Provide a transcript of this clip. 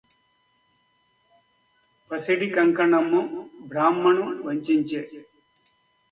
పసిడి కంకణమ్ము బ్రాహ్మణు వంచించె